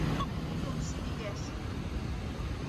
Com si diguéssim.